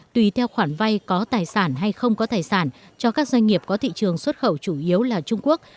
tùy theo khoản vay có tài sản hay không có tài sản cho các doanh nghiệp có thị trường xuất khẩu chủ yếu là trung quốc